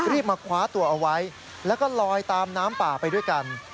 มาคว้าตัวเอาไว้แล้วก็ลอยตามน้ำป่าไปด้วยกัน